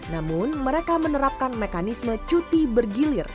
namun mereka menerapkan mekanisme cuti bergilir